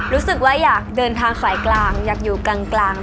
รู้สึกว่าอยากเดินทางสายกลางอยากอยู่กลาง